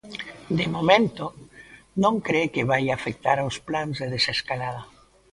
De momento, non cre que vaia afectar aos plans de desescalada.